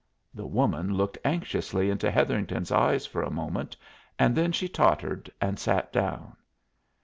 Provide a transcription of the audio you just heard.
The woman looked anxiously into Hetherington's eyes for a moment, and then she tottered and sat down.